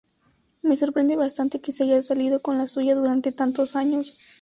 Me sorprende bastante que se haya salido con la suya durante tantos años".